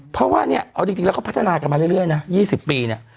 เพราะว่าเนี่ยเอาจริงแล้วก็พัฒนากันมาเรื่อยนะ๒๐ปีเนี่ย